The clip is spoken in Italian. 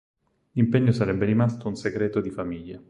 L'impegno sarebbe rimasto un segreto di famiglia.